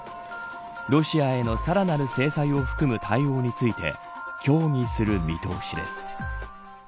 ロシアへのさらなる制裁を含む対応について協議する見通しです。